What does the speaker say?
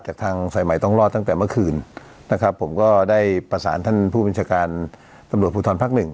จากทางสายใหม่ต้องรอดตั้งแต่เมื่อคืนนะครับผมก็ได้ประสานท่านผู้บัญชาการตำรวจภูทรภักดิ์หนึ่ง